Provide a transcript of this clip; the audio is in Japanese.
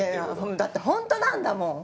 だってホントなんだもん！